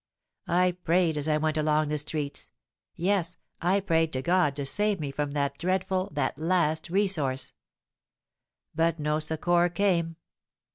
I prayed as I went along the streets,—yes, I prayed to God to save me from that dreadful—that last resource. But no succour came.